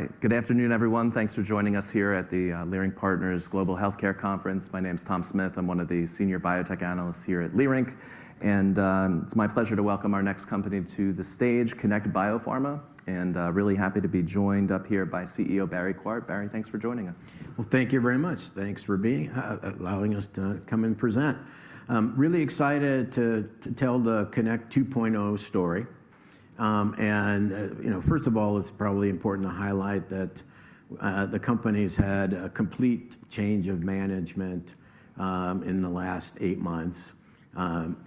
All right, good afternoon, everyone. Thanks for joining us here at the Leerink Partners Global Healthcare Conference. My name is Tom Smith. I'm one of the senior biotech analysts here at Leerink. It's my pleasure to welcome our next company to the stage, Connect Biopharma. I'm really happy to be joined up here by CEO Barry Quart. Barry, thanks for joining us. Thank you very much. Thanks for allowing us to come and present. Really excited to tell the Connect 2.0 story. First of all, it's probably important to highlight that the company's had a complete change of management in the last eight months.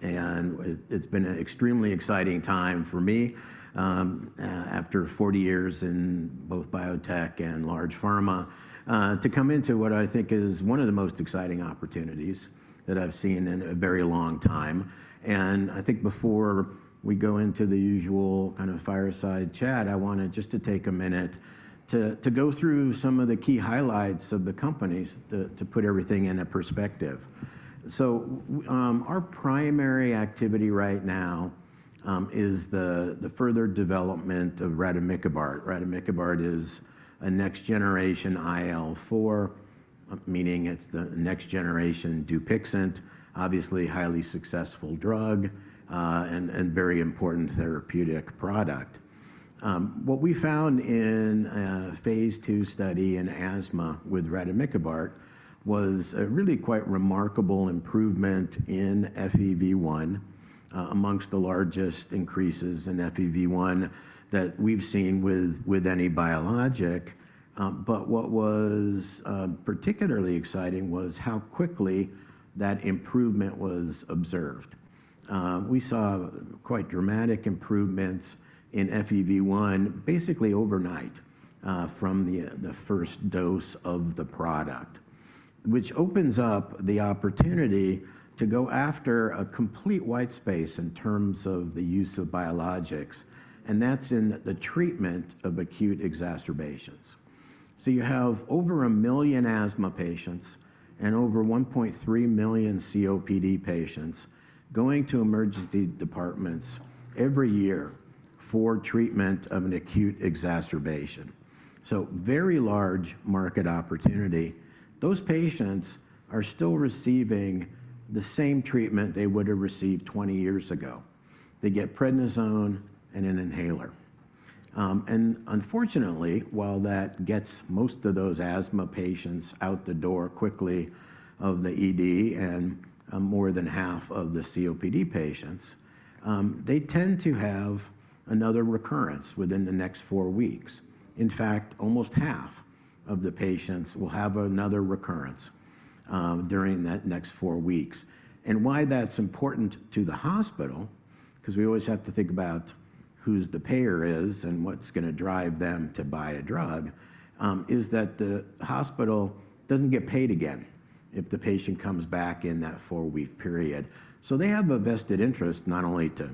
It's been an extremely exciting time for me after 40 years in both biotech and large pharma to come into what I think is one of the most exciting opportunities that I've seen in a very long time. I think before we go into the usual kind of fireside chat, I wanted just to take a minute to go through some of the key highlights of the company to put everything in perspective. Our primary activity right now is the further development of Rademikibart. Rademikibart is a next-generation IL-4, meaning it's the next-generation Dupixent, obviously a highly successful drug and very important therapeutic product. What we found in phase 2 study in asthma with Rademikibart was a really quite remarkable improvement in FEV1, amongst the largest increases in FEV1 that we've seen with any biologic. What was particularly exciting was how quickly that improvement was observed. We saw quite dramatic improvements in FEV1, basically overnight, from the first dose of the product, which opens up the opportunity to go after a complete white space in terms of the use of biologics. That is in the treatment of acute exacerbations. You have over a million asthma patients and over 1.3 million COPD patients going to emergency departments every year for treatment of an acute exacerbation. Very large market opportunity. Those patients are still receiving the same treatment they would have received 20 years ago. They get prednisone and an inhaler. Unfortunately, while that gets most of those asthma patients out the door quickly of the ED and more than half of the COPD patients, they tend to have another recurrence within the next four weeks. In fact, almost half of the patients will have another recurrence during that next four weeks. Why that's important to the hospital, because we always have to think about who the payer is and what's going to drive them to buy a drug, is that the hospital doesn't get paid again if the patient comes back in that four-week period. They have a vested interest not only to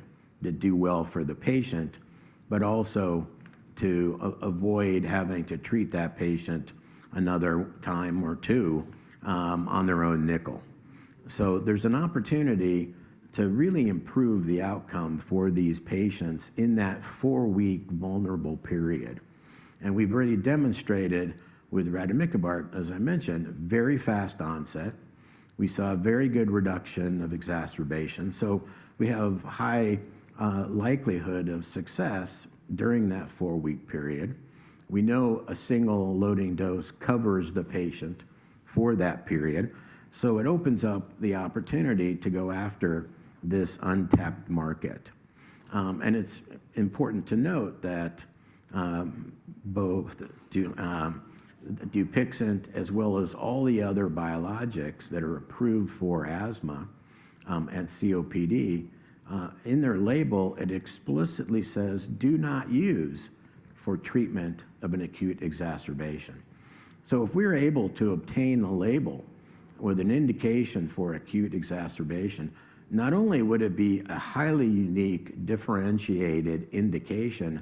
do well for the patient, but also to avoid having to treat that patient another time or two on their own nickel. There is an opportunity to really improve the outcome for these patients in that four-week vulnerable period. We have already demonstrated with rademikibart, as I mentioned, very fast onset. We saw a very good reduction of exacerbation. We have a high likelihood of success during that four-week period. We know a single loading dose covers the patient for that period. It opens up the opportunity to go after this untapped market. It is important to note that both Dupixent, as well as all the other biologics that are approved for asthma and COPD, in their label, it explicitly says, do not use for treatment of an acute exacerbation. If we're able to obtain a label with an indication for acute exacerbation, not only would it be a highly unique, differentiated indication,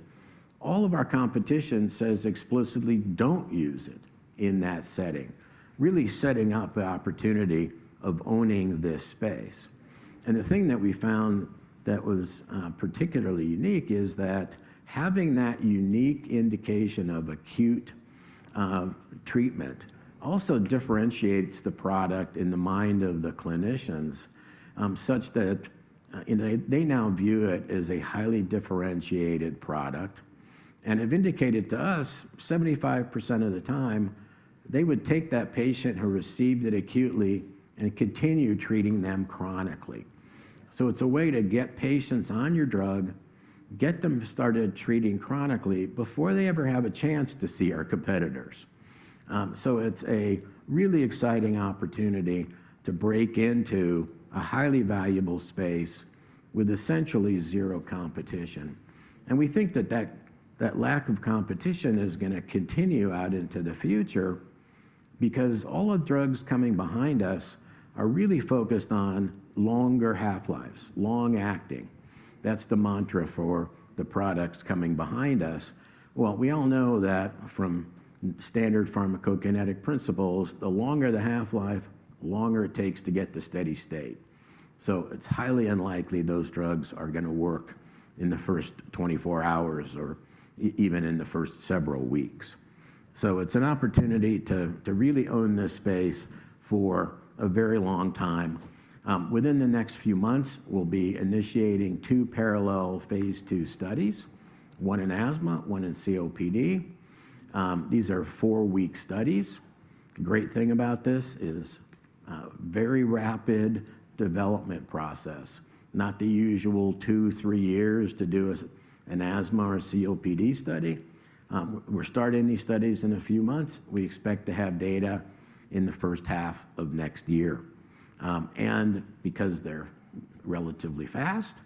all of our competition says explicitly, don't use it in that setting, really setting up the opportunity of owning this space. The thing that we found that was particularly unique is that having that unique indication of acute treatment also differentiates the product in the mind of the clinicians, such that they now view it as a highly differentiated product. They've indicated to us, 75% of the time, they would take that patient who received it acutely and continue treating them chronically. It's a way to get patients on your drug, get them started treating chronically before they ever have a chance to see our competitors. It's a really exciting opportunity to break into a highly valuable space with essentially zero competition. We think that that lack of competition is going to continue out into the future because all of the drugs coming behind us are really focused on longer half-lives, long-acting. That's the mantra for the products coming behind us. We all know that from standard pharmacokinetic principles, the longer the half-life, the longer it takes to get to steady state. It is highly unlikely those drugs are going to work in the first 24 hours or even in the first several weeks. It is an opportunity to really own this space for a very long time. Within the next few months, we'll be initiating two parallel phase 2 studies, one in asthma, one in COPD. These are four-week studies. The great thing about this is a very rapid development process, not the usual two, three years to do an asthma or COPD study. We're starting these studies in a few months. We expect to have data in the first half of next year. Because they're relatively fast,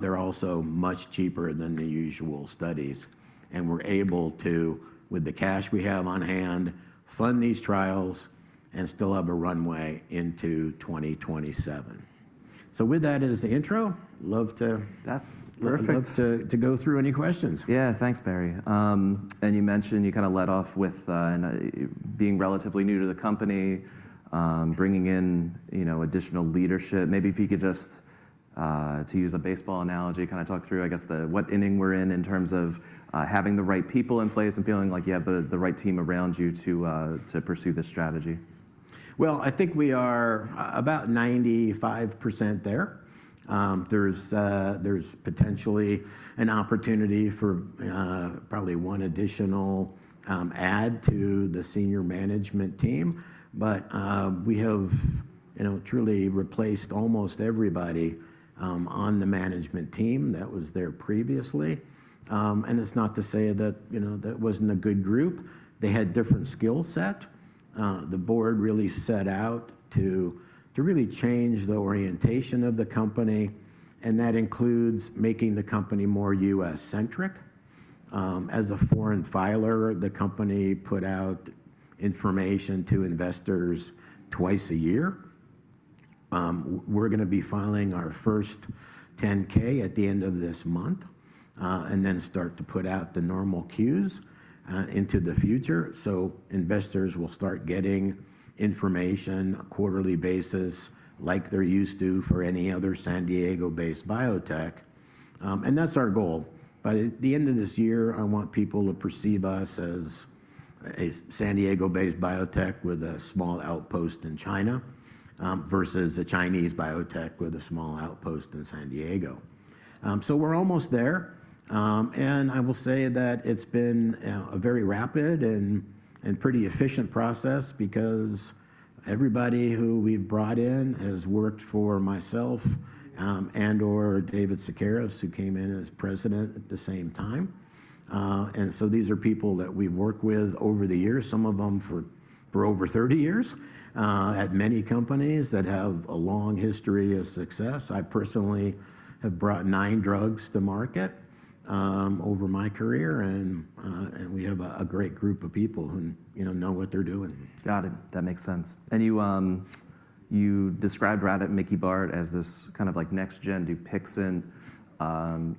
they're also much cheaper than the usual studies. We're able to, with the cash we have on hand, fund these trials and still have a runway into 2027. With that as the intro, love to. That's perfect. Let's go through any questions. Yeah, thanks, Barry. You mentioned you kind of led off with being relatively new to the company, bringing in additional leadership. Maybe if you could just, to use a baseball analogy, kind of talk through, I guess, what inning we're in in terms of having the right people in place and feeling like you have the right team around you to pursue this strategy. I think we are about 95% there. There's potentially an opportunity for probably one additional add to the senior management team. We have truly replaced almost everybody on the management team that was there previously. It is not to say that it was not a good group. They had a different skill set. The board really set out to really change the orientation of the company. That includes making the company more U.S.-centric. As a foreign filer, the company put out information to investors twice a year. We are going to be filing our first 10-K at the end of this month and then start to put out the normal Qs into the future. Investors will start getting information on a quarterly basis, like they are used to for any other San Diego-based biotech. That is our goal. At the end of this year, I want people to perceive us as a San Diego-based biotech with a small outpost in China versus a Chinese biotech with a small outpost in San Diego. We are almost there. I will say that it has been a very rapid and pretty efficient process because everybody who we have brought in has worked for myself and/or David Szekeres, who came in as President at the same time. These are people that we have worked with over the years, some of them for over 30 years at many companies that have a long history of success. I personally have brought nine drugs to market over my career. We have a great group of people who know what they are doing. Got it. That makes sense. You described Rademikibart as this kind of like next-gen Dupixent.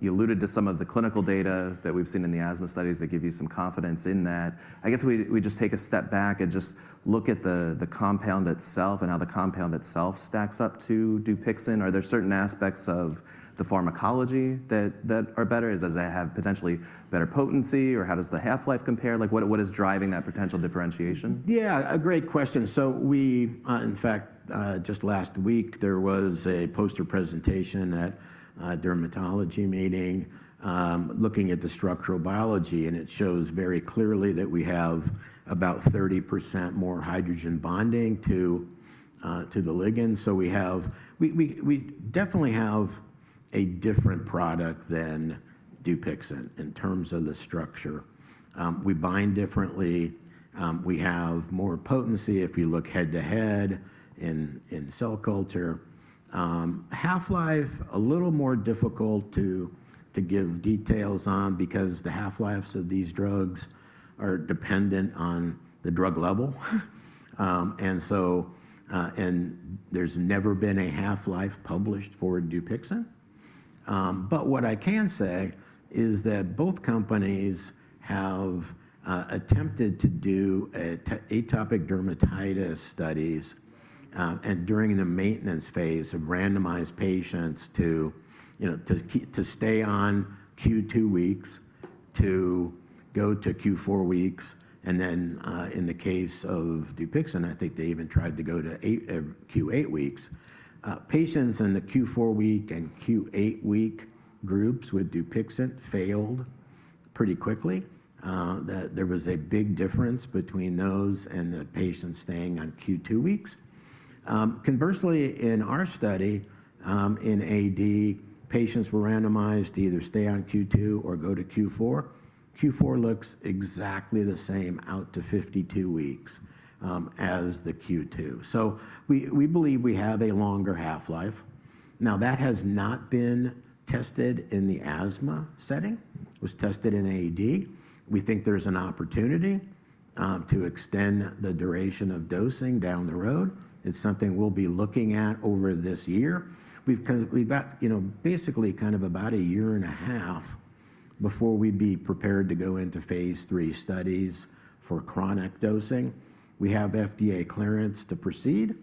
You alluded to some of the clinical data that we've seen in the asthma studies that give you some confidence in that. I guess we just take a step back and just look at the compound itself and how the compound itself stacks up to Dupixent. Are there certain aspects of the pharmacology that are better? Does it have potentially better potency? How does the half-life compare? What is driving that potential differentiation? Yeah, a great question. We, in fact, just last week, there was a poster presentation at a dermatology meeting looking at the structural biology. It shows very clearly that we have about 30% more hydrogen bonding to the ligands. We definitely have a different product than Dupixent in terms of the structure. We bind differently. We have more potency if we look head-to-head in cell culture. Half-life, a little more difficult to give details on because the half-lives of these drugs are dependent on the drug level. There has never been a half-life published for Dupixent. What I can say is that both companies have attempted to do atopic dermatitis studies during the maintenance phase of randomized patients to stay on Q2 weeks, to go to Q4 weeks. In the case of Dupixent, I think they even tried to go to Q8 weeks. Patients in the Q4 week and Q8 week groups with Dupixent failed pretty quickly. There was a big difference between those and the patients staying on Q2 weeks. Conversely, in our study in AD, patients were randomized to either stay on Q2 or go to Q4. Q4 looks exactly the same out to 52 weeks as the Q2. We believe we have a longer half-life. That has not been tested in the asthma setting. It was tested in AD. We think there's an opportunity to extend the duration of dosing down the road. It's something we'll be looking at over this year. We've got basically kind of about a year and a half before we'd be prepared to go into phase three studies for chronic dosing. We have FDA clearance to proceed.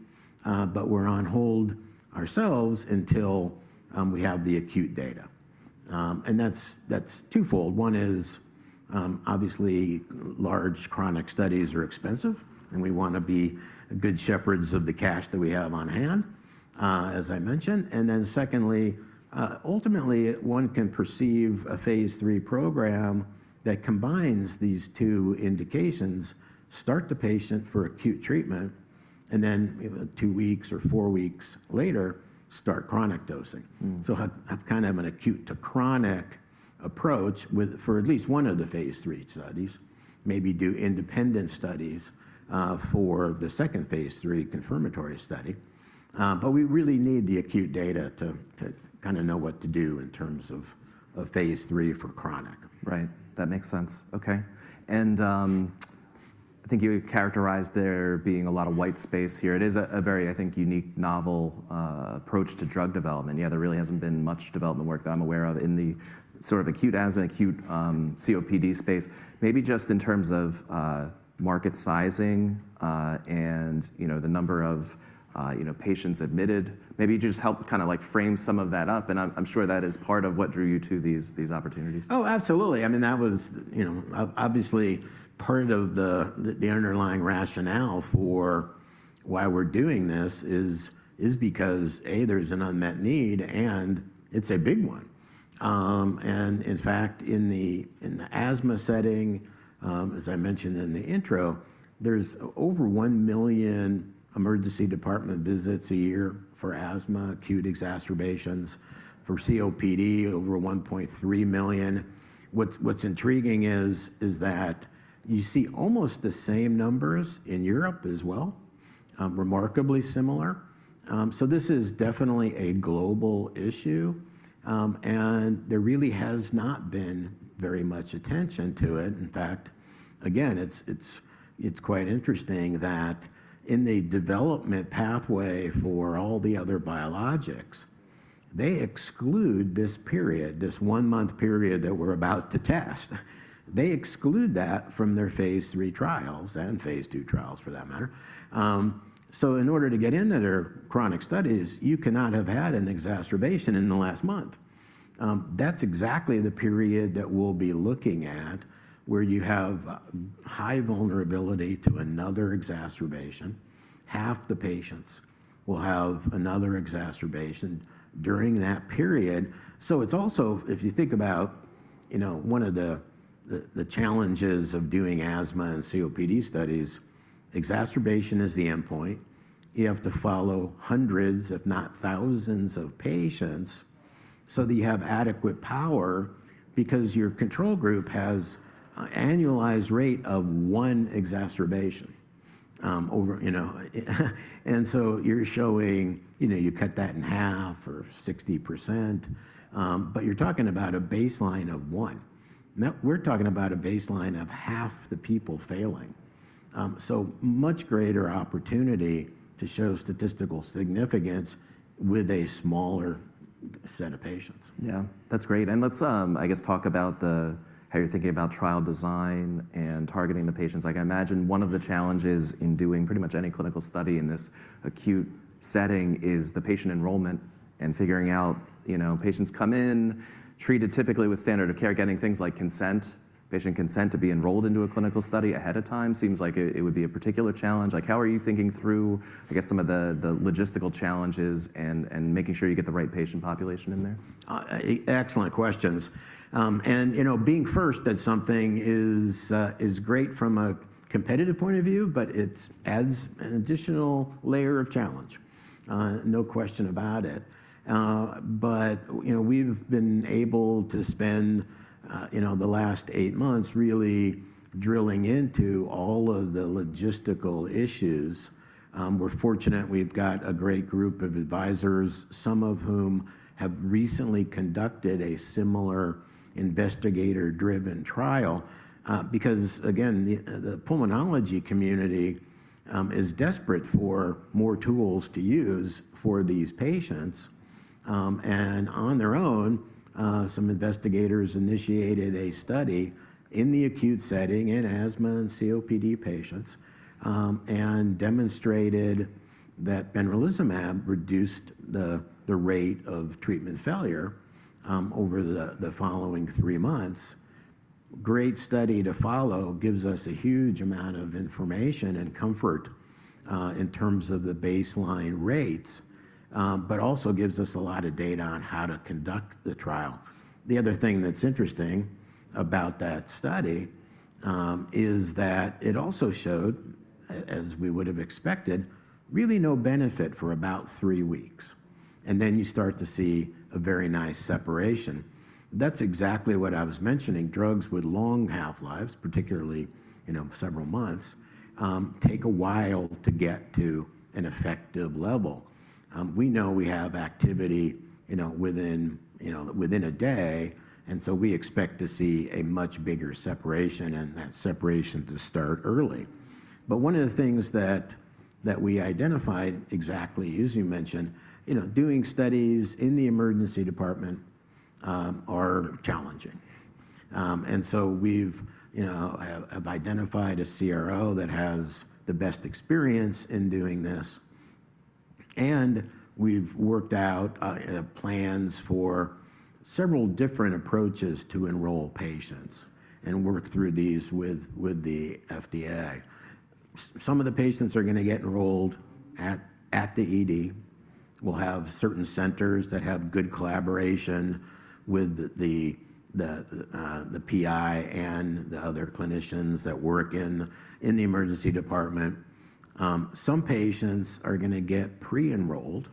We're on hold ourselves until we have the acute data. That's twofold. One is, obviously, large chronic studies are expensive. We want to be good shepherds of the cash that we have on hand, as I mentioned. Secondly, ultimately, one can perceive a phase three program that combines these two indications, start the patient for acute treatment, and then two weeks or four weeks later, start chronic dosing. Kind of have an acute to chronic approach for at least one of the phase three studies, maybe do independent studies for the second phase three confirmatory study. We really need the acute data to kind of know what to do in terms of phase three for chronic. Right. That makes sense. OK. I think you characterized there being a lot of white space here. It is a very, I think, unique novel approach to drug development. Yeah, there really hasn't been much development work that I'm aware of in the sort of acute asthma, acute COPD space, maybe just in terms of market sizing and the number of patients admitted. Maybe you could just help kind of frame some of that up. I'm sure that is part of what drew you to these opportunities. Oh, absolutely. I mean, that was obviously part of the underlying rationale for why we're doing this is because, A, there's an unmet need. And it's a big one. In fact, in the asthma setting, as I mentioned in the intro, there's over 1 million emergency department visits a year for asthma, acute exacerbations. For COPD, over 1.3 million. What's intriguing is that you see almost the same numbers in Europe as well, remarkably similar. This is definitely a global issue. There really has not been very much attention to it. In fact, again, it's quite interesting that in the development pathway for all the other biologics, they exclude this period, this one-month period that we're about to test. They exclude that from their phase three trials and phase two trials for that matter. In order to get into their chronic studies, you cannot have had an exacerbation in the last month. That's exactly the period that we'll be looking at where you have high vulnerability to another exacerbation. Half the patients will have another exacerbation during that period. If you think about one of the challenges of doing asthma and COPD studies, exacerbation is the endpoint. You have to follow hundreds, if not thousands, of patients so that you have adequate power because your control group has an annualized rate of one exacerbation. You are showing you cut that in half or 60%. You are talking about a baseline of one. We are talking about a baseline of half the people failing. Much greater opportunity to show statistical significance with a smaller set of patients. Yeah, that's great. Let's, I guess, talk about how you're thinking about trial design and targeting the patients. I imagine one of the challenges in doing pretty much any clinical study in this acute setting is the patient enrollment and figuring out patients come in, treated typically with standard of care, getting things like consent, patient consent to be enrolled into a clinical study ahead of time seems like it would be a particular challenge. How are you thinking through, I guess, some of the logistical challenges and making sure you get the right patient population in there? Excellent questions. Being first at something is great from a competitive point of view, but it adds an additional layer of challenge, no question about it. We've been able to spend the last eight months really drilling into all of the logistical issues. We're fortunate we've got a great group of advisors, some of whom have recently conducted a similar investigator-driven trial because, again, the pulmonology community is desperate for more tools to use for these patients. On their own, some investigators initiated a study in the acute setting in asthma and COPD patients and demonstrated that Benralizumab reduced the rate of treatment failure over the following three months. Great study to follow gives us a huge amount of information and comfort in terms of the baseline rates, but also gives us a lot of data on how to conduct the trial. The other thing that's interesting about that study is that it also showed, as we would have expected, really no benefit for about three weeks. Then you start to see a very nice separation. That's exactly what I was mentioning. Drugs with long half-lives, particularly several months, take a while to get to an effective level. We know we have activity within a day. We expect to see a much bigger separation and that separation to start early. One of the things that we identified exactly, as you mentioned, doing studies in the emergency department are challenging. We have identified a CRO that has the best experience in doing this. We have worked out plans for several different approaches to enroll patients and work through these with the FDA. Some of the patients are going to get enrolled at the ED. We'll have certain centers that have good collaboration with the PI and the other clinicians that work in the emergency department. Some patients are going to get pre-enrolled.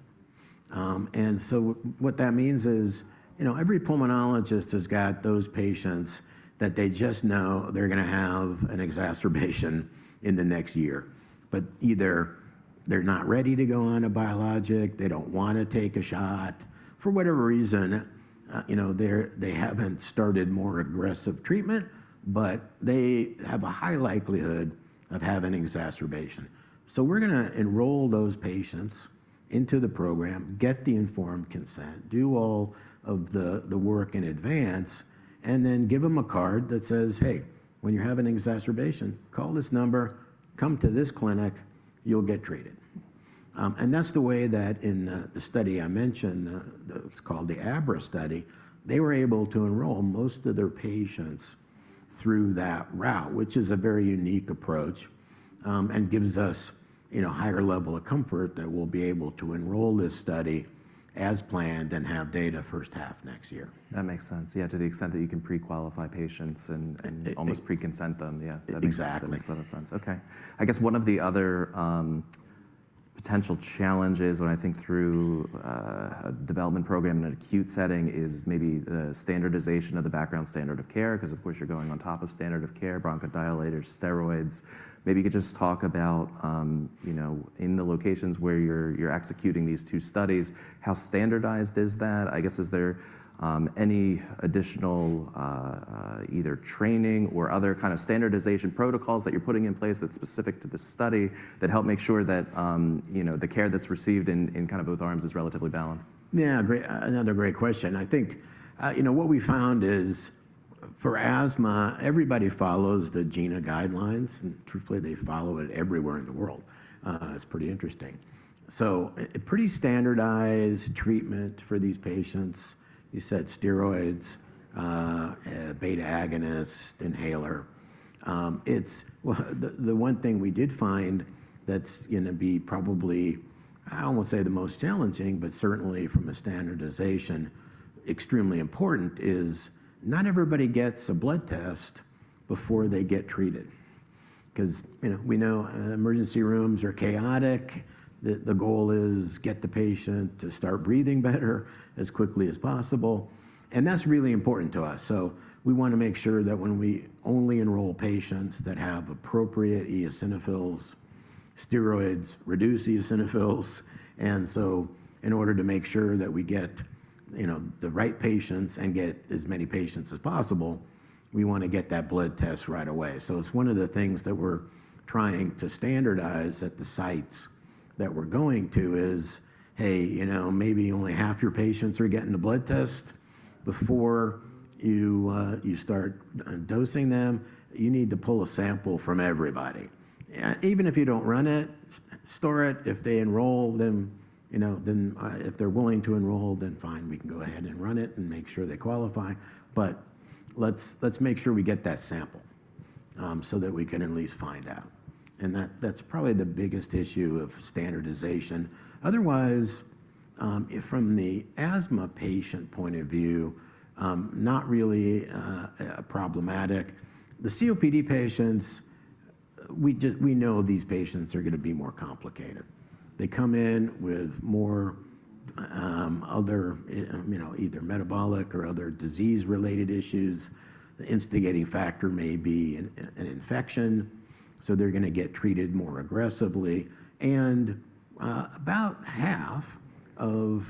What that means is every pulmonologist has got those patients that they just know they're going to have an exacerbation in the next year. Either they're not ready to go on a biologic, they don't want to take a shot, or for whatever reason, they haven't started more aggressive treatment, but they have a high likelihood of having an exacerbation. We're going to enroll those patients into the program, get the informed consent, do all of the work in advance, and then give them a card that says, hey, when you have an exacerbation, call this number, come to this clinic, you'll get treated. That is the way that in the study I mentioned, it's called the ABRA study, they were able to enroll most of their patients through that route, which is a very unique approach and gives us a higher level of comfort that we'll be able to enroll this study as planned and have data first half next year. That makes sense. Yeah, to the extent that you can pre-qualify patients and almost pre-consent them. Yeah, that makes a lot of sense. OK. I guess one of the other potential challenges when I think through a development program in an acute setting is maybe the standardization of the background standard of care because, of course, you're going on top of standard of care, bronchodilators, steroids. Maybe you could just talk about in the locations where you're executing these two studies, how standardized is that? I guess is there any additional either training or other kind of standardization protocols that you're putting in place that's specific to the study that help make sure that the care that's received in kind of both arms is relatively balanced? Yeah, great. Another great question. I think what we found is for asthma, everybody follows the GINA guidelines. And truthfully, they follow it everywhere in the world. It's pretty interesting. So pretty standardized treatment for these patients. You said steroids, beta agonist inhaler. The one thing we did find that's going to be probably, I almost say, the most challenging, but certainly from a standardization, extremely important is not everybody gets a blood test before they get treated because we know emergency rooms are chaotic. The goal is to get the patient to start breathing better as quickly as possible. That's really important to us. We want to make sure that we only enroll patients that have appropriate eosinophils, steroids, reduced eosinophils. In order to make sure that we get the right patients and get as many patients as possible, we want to get that blood test right away. It is one of the things that we're trying to standardize at the sites that we're going to: hey, maybe only half your patients are getting the blood test before you start dosing them. You need to pull a sample from everybody. Even if you don't run it, store it. If they enroll, then if they're willing to enroll, then fine, we can go ahead and run it and make sure they qualify. Let's make sure we get that sample so that we can at least find out. That is probably the biggest issue of standardization. Otherwise, from the asthma patient point of view, not really problematic. The COPD patients, we know these patients are going to be more complicated. They come in with more other either metabolic or other disease-related issues. The instigating factor may be an infection. They are going to get treated more aggressively. About half of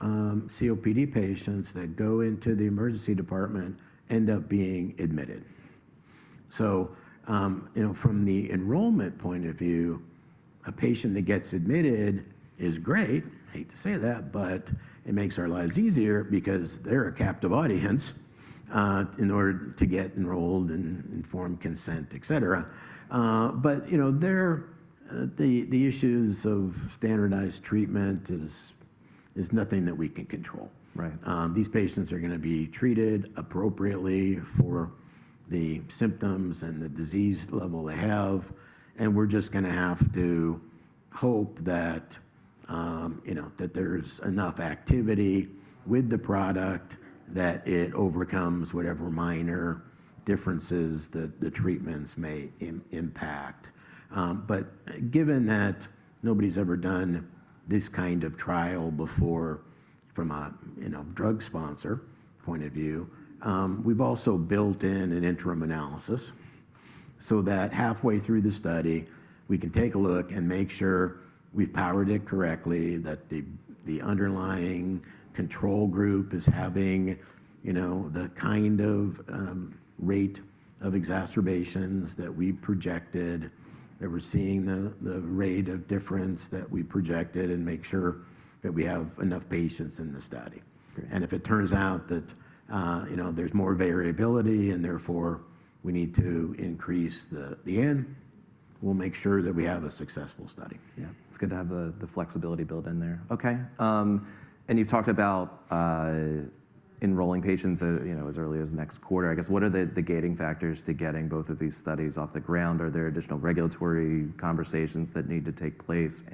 COPD patients that go into the emergency department end up being admitted. From the enrollment point of view, a patient that gets admitted is great. I hate to say that, but it makes our lives easier because they're a captive audience in order to get enrolled and informed consent, et cetera. The issues of standardized treatment is nothing that we can control. These patients are going to be treated appropriately for the symptoms and the disease level they have. We are just going to have to hope that there is enough activity with the product that it overcomes whatever minor differences that the treatments may impact. Given that nobody has ever done this kind of trial before from a drug sponsor point of view, we have also built in an interim analysis so that halfway through the study, we can take a look and make sure we have powered it correctly, that the underlying control group is having the kind of rate of exacerbations that we projected, that we are seeing the rate of difference that we projected, and make sure that we have enough patients in the study. If it turns out that there is more variability and therefore we need to increase the N, we will make sure that we have a successful study. Yeah, it's good to have the flexibility built in there. OK. You've talked about enrolling patients as early as next quarter. I guess what are the gating factors to getting both of these studies off the ground? Are there additional regulatory conversations that need to take place?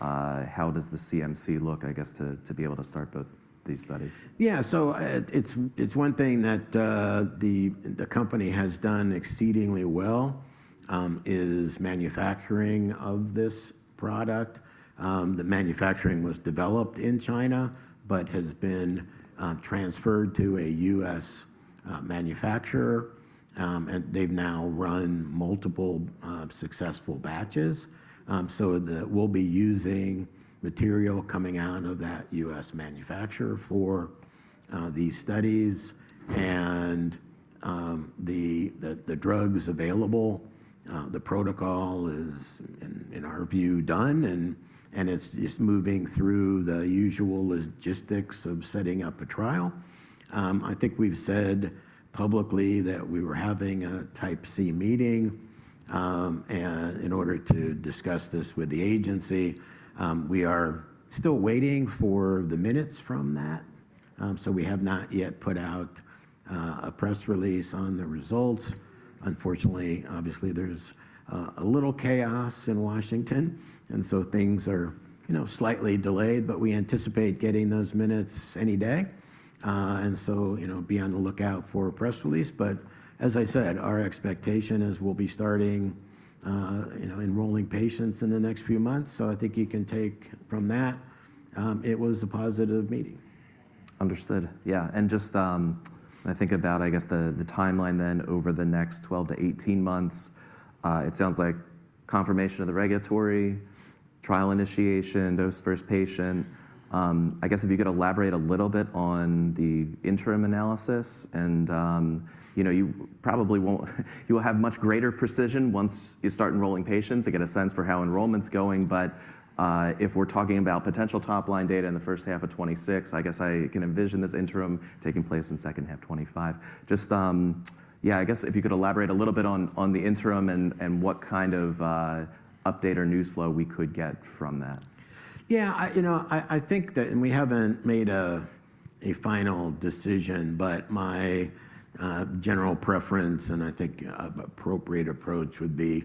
How does the CMC look, I guess, to be able to start both these studies? Yeah, so one thing that the company has done exceedingly well is manufacturing of this product. The manufacturing was developed in China but has been transferred to a U.S. manufacturer. They've now run multiple successful batches. We'll be using material coming out of that U.S. manufacturer for these studies. The drug's available, the protocol is, in our view, done. It's just moving through the usual logistics of setting up a trial. I think we've said publicly that we were having a type C meeting in order to discuss this with the agency. We are still waiting for the minutes from that. We have not yet put out a press release on the results. Unfortunately, obviously, there's a little chaos in Washington. Things are slightly delayed. We anticipate getting those minutes any day. Be on the lookout for a press release. As I said, our expectation is we'll be starting enrolling patients in the next few months. I think you can take from that it was a positive meeting. Understood. Yeah. And just when I think about, I guess, the timeline then over the next 12 to 18 months, it sounds like confirmation of the regulatory, trial initiation, dose first patient. I guess if you could elaborate a little bit on the interim analysis. And you probably won't have much greater precision once you start enrolling patients to get a sense for how enrollment's going. But if we're talking about potential top-line data in the first half of 2026, I guess I can envision this interim taking place in second half 2025. Just, yeah, I guess if you could elaborate a little bit on the interim and what kind of update or news flow we could get from that. Yeah, I think that we haven't made a final decision. My general preference and I think appropriate approach would be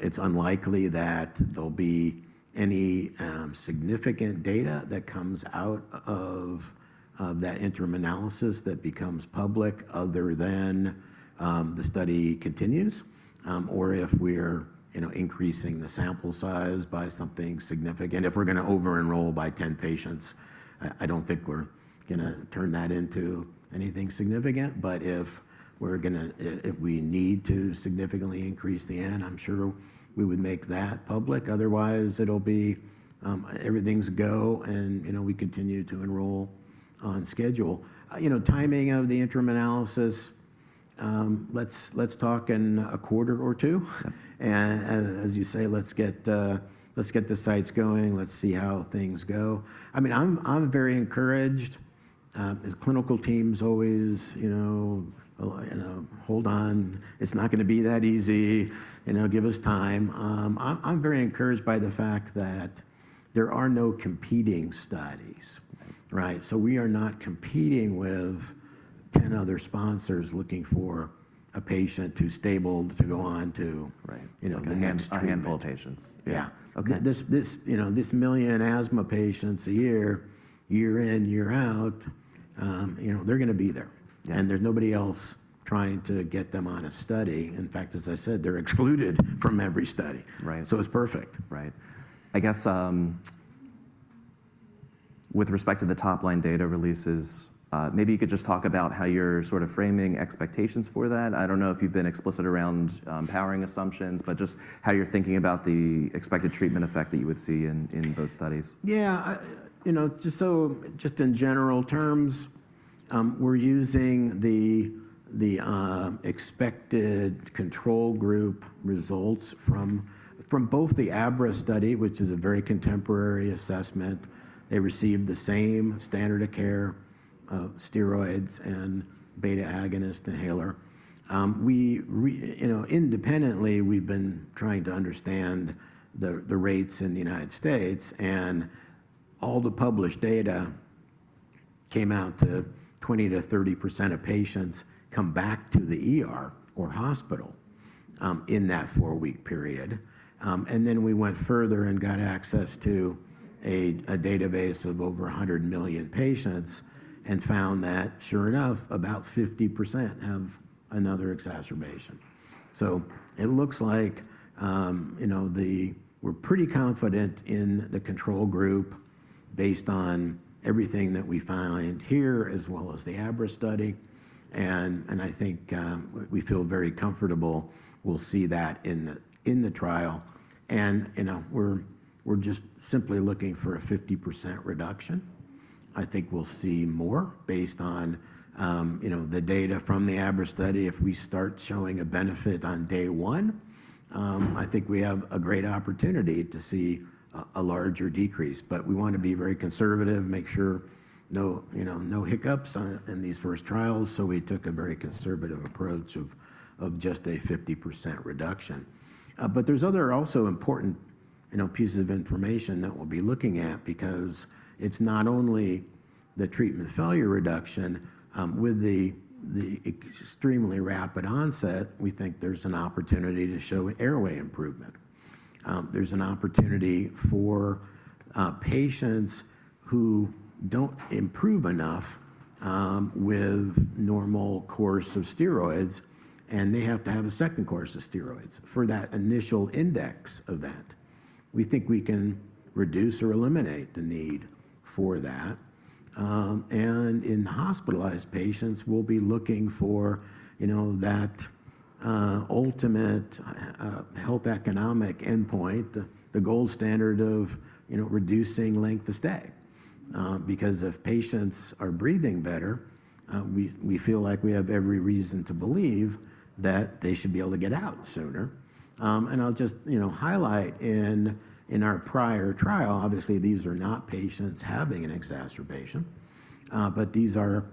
it's unlikely that there'll be any significant data that comes out of that interim analysis that becomes public other than the study continues or if we're increasing the sample size by something significant. If we're going to over-enroll by 10 patients, I don't think we're going to turn that into anything significant. If we need to significantly increase the N, I'm sure we would make that public. Otherwise, everything's go and we continue to enroll on schedule. Timing of the interim analysis, let's talk in a quarter or two. As you say, let's get the sites going. Let's see how things go. I mean, I'm very encouraged. The clinical team's always hold on. It's not going to be that easy. Give us time. I'm very encouraged by the fact that there are no competing studies. We are not competing with 10 other sponsors looking for a patient who's stable to go on to the next trial. Our handful of patients. Yeah. This million asthma patients a year, year in, year out, they're going to be there. There's nobody else trying to get them on a study. In fact, as I said, they're excluded from every study. It is perfect. Right. I guess with respect to the top-line data releases, maybe you could just talk about how you're sort of framing expectations for that. I don't know if you've been explicit around powering assumptions, but just how you're thinking about the expected treatment effect that you would see in both studies. Yeah. Just in general terms, we're using the expected control group results from both the ABRA study, which is a very contemporary assessment. They received the same standard of care, steroids and beta agonist inhaler. Independently, we've been trying to understand the rates in the United States. All the published data came out to 20%-30% of patients come back to the or hospital in that four-week period. We went further and got access to a database of over 100 million patients and found that, sure enough, about 50% have another exacerbation. It looks like we're pretty confident in the control group based on everything that we find here, as well as the ABRA study. I think we feel very comfortable we'll see that in the trial. We're just simply looking for a 50% reduction. I think we'll see more based on the data from the ABRA study. If we start showing a benefit on day one, I think we have a great opportunity to see a larger decrease. We want to be very conservative, make sure no hiccups in these first trials. We took a very conservative approach of just a 50% reduction. There are also other important pieces of information that we'll be looking at because it's not only the treatment failure reduction. With the extremely rapid onset, we think there's an opportunity to show airway improvement. There's an opportunity for patients who don't improve enough with normal course of steroids, and they have to have a second course of steroids for that initial index event. We think we can reduce or eliminate the need for that. In hospitalized patients, we'll be looking for that ultimate health economic endpoint, the gold standard of reducing length of stay. Because if patients are breathing better, we feel like we have every reason to believe that they should be able to get out sooner. I'll just highlight in our prior trial, obviously, these are not patients having an exacerbation. These are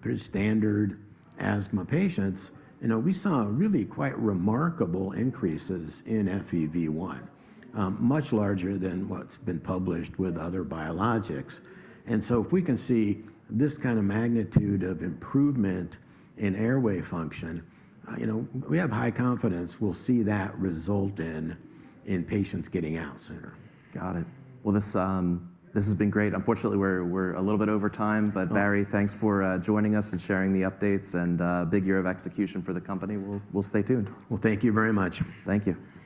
pretty standard asthma patients. We saw really quite remarkable increases in FEV1, much larger than what's been published with other biologics. If we can see this kind of magnitude of improvement in airway function, we have high confidence we'll see that result in patients getting out sooner. Got it. This has been great. Unfortunately, we're a little bit over time. Barry, thanks for joining us and sharing the updates. Big year of execution for the company. We'll stay tuned. Thank you very much. Thank you.